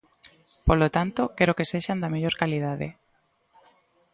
Polo tanto, quero que sexan da mellor calidade.